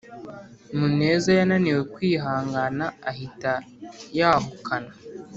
muneza yananiwe kwihangana ahita yahukana